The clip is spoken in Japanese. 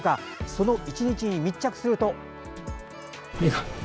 その１日に密着すると。